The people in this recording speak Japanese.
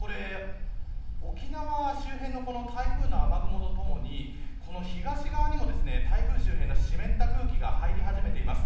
沖縄周辺の台風の雨雲とともに東側にも台風周辺の湿った空気が入り始めています。